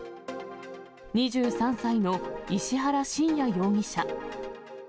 ２３歳の石原信也容疑者。